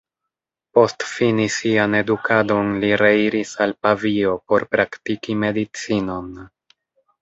Post fini sian edukadon li reiris al Pavio por praktiki medicinon.